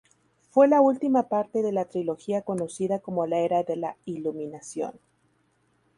Fue la última parte de la trilogía conocida como la "Era de la Iluminación".